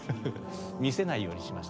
見せないようにしました。